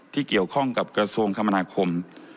ที่เกี่ยวข้องกับกระทรวงคมนาคม